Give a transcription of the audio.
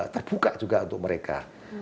terbuka juga untuk mereka